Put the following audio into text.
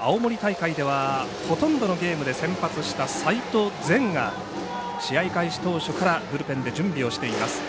青森大会ではほとんどのゲームで先発した齋藤禅が試合開始当初からブルペンで準備をしています。